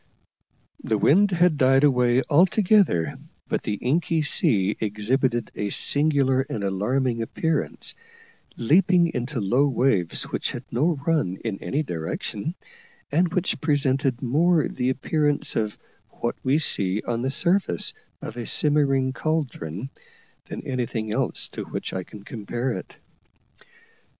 The wind had died away altogether, but the inky sea exhibited a singular and alarming appearance, leaping into low waves which had no run in any direction, and which presented more the appearance of what we see on the surface of a simmering caldron than anything else to which I can compare it.